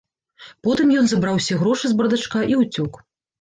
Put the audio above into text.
Потым ён забраў усе грошы з бардачка і ўцёк.